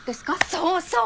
そうそう！